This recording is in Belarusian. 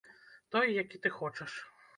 Той, які ты хочаш.